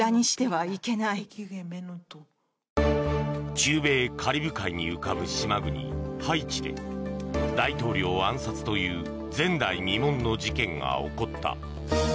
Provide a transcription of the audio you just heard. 中米カリブ海に浮かぶ島国ハイチで大統領暗殺という前代未聞の事件が起こった。